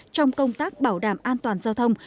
trong công tác bảo đảm an toàn giao thông